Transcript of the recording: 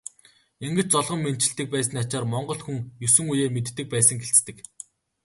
Ингэж золгон мэндчилдэг байсны ачаар монгол хүн есөн үеэ мэддэг байсан гэлцдэг.